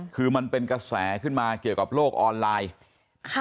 คือมันเป็นกระแสขึ้นมาเกี่ยวกับโลกออนไลน์